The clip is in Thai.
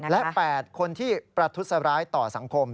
และ๘คนที่ประทุษร้ายต่อสังคม